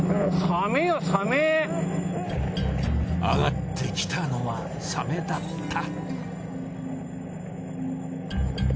あがってきたのはサメだった。